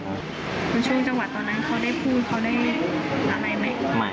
คุณช่วงจังหวะตอนนั้นเขาได้พูดเขาได้อะไรไหม